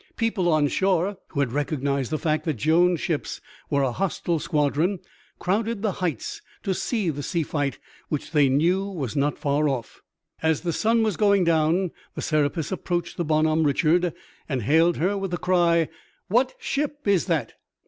People on shore who had recognized the fact that Jones' ships were a hostile squadron crowded the heights to see the sea fight which they knew was not far off. As the sun was going down the Serapis approached the Bonhomme Richard and hailed her with the cry, "What ship is that?"